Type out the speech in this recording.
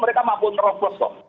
tidak mampu terobos